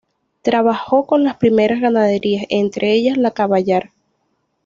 Trabajó con las primeros ganaderías, entre ellas la caballar.